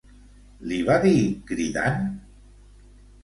Li va dir cridant?